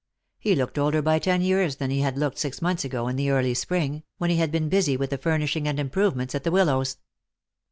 He looked older by ten years than he had looked six months ago in the early spring, when he had been busy with the furnishing and improvements at the Willows.